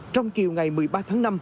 trong kiều ngày một mươi ba tháng năm